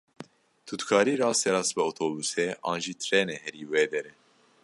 Tu dikarî rasterast bi otobûsê an jî trênê herî wê derê.